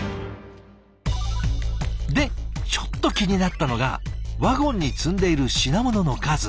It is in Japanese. でちょっと気になったのがワゴンに積んでいる品物の数。